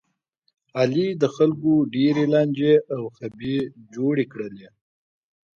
علي د خلکو ډېرې لانجې او خبې جوړې کړلې.